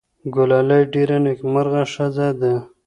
ګلالۍ ډېره نېکمرغه ښځه ده.